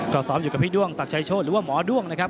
ก็ซ้อมอยู่กับพี่ด้วงศักดิ์ชายโชธหรือว่าหมอด้วงนะครับ